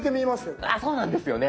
そうなんですよね。